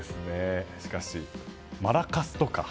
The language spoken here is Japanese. しかし、マラカスとか。